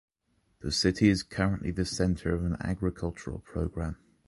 The city is currently the center of an agricultural program.